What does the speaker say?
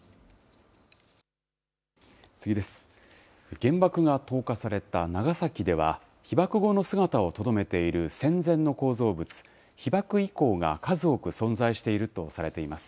原爆が投下された長崎では、被爆後の姿をとどめている戦前の構造物、被爆遺構が数多く存在しているとされています。